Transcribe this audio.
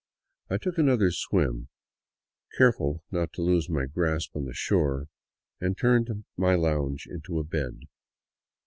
I took another swim, careful not to lose my grasp on the shore, and turned my lounge into a bed.